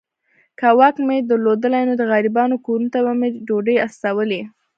که واک مي درلودای نو د غریبانو کورونو ته به مي ډوډۍ استولې.